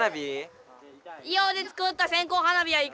硫黄で作った線こう花火はいかが？